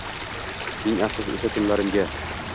Ming afsus o`sha kunlarimga